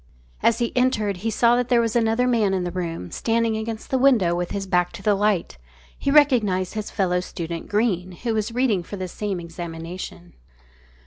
As he entered he saw that there was another man in the room, standing against the window with his back to the light. He recognised his fellow student Greene, who was reading for the same examination.